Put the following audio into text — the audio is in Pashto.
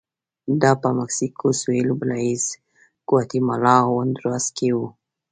دا په مکسیکو سوېل، بلایز، ګواتیمالا او هندوراس کې و